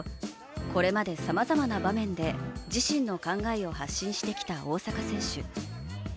これまでさまざまな場面で自身の考えを発信してきた大坂選手。